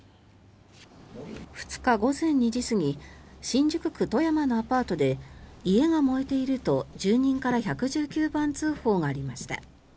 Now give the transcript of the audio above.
２日午前２時過ぎ新宿区戸山のアパートで家が燃えていると、住人から１１９番通報がありました。